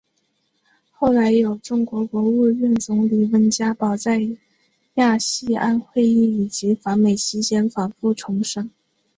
后来有中国国务院总理温家宝在亚细安会议以及访美期间反复重申。